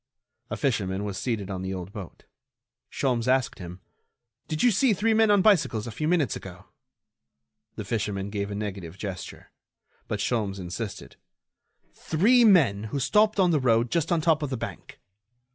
A fisherman was seated on the old boat. Sholmes asked him: "Did you see three men on bicycles a few minutes ago?" The fisherman made a negative gesture. But Sholmes insisted: "Three men who stopped on the road just on top of the bank?"